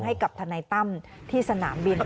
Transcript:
ให้กับทนายตั้มที่สนามบิน